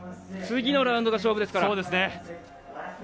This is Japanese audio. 次のラウンドが勝負ですから。